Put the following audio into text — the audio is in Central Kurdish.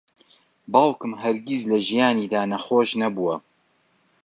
باوکم هەرگیز لە ژیانیدا نەخۆش نەبووە.